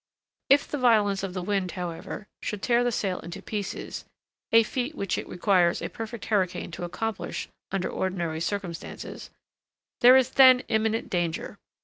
If the violence of the wind, however, should tear the sail into pieces (a feat which it requires a perfect hurricane to accomplish under ordinary circumstances), there is then imminent danger.